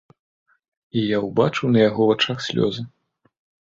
І я ўбачыў на яго вачах слёзы.